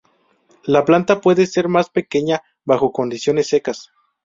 La planta puede ser más pequeña bajo condiciones secas.